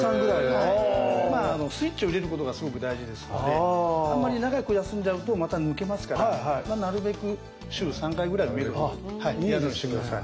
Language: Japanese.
スイッチを入れることがすごく大事ですのであんまり長く休んじゃうとまた抜けますからなるべく週３回ぐらいはやるようにして下さい。